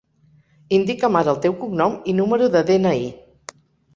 Indica'm ara el teu cognom i número de de-ena-i.